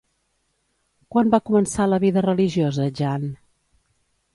Quan va començar la vida religiosa Jeanne?